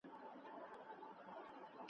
خو داسي پاچاهي هیڅ ارزښت نه لري.